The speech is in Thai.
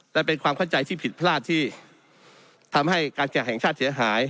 และเป็นความเข้าใจที่ผิดพลาดที่ทำให้การแข่งแห่งชาติเสียหาย